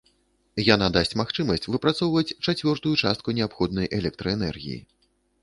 Яна дасць магчымасць выпрацоўваць чацвёртую частку неабходнай электраэнергіі.